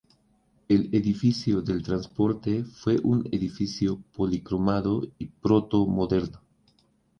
El Edificio del Transporte fue un edificio policromado y proto-moderno.